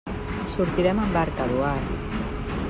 Sortirem amb barca, Eduard.